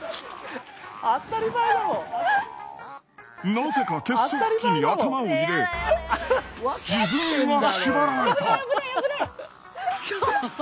なぜか結束機に頭を入れ自分が縛られた！